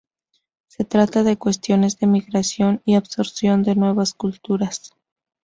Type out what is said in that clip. Se trata de cuestiones de migración y absorción de nuevas culturas.